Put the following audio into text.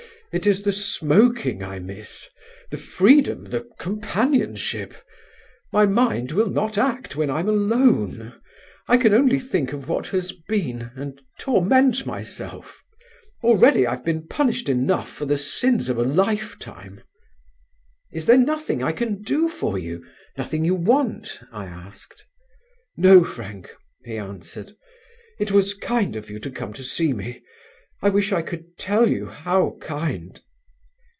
It is the smoking I miss, the freedom, the companionship. My mind will not act when I'm alone. I can only think of what has been and torment myself. Already I've been punished enough for the sins of a lifetime." "Is there nothing I can do for you, nothing you want?" I asked. "No, Frank," he answered, "it was kind of you to come to see me, I wish I could tell you how kind."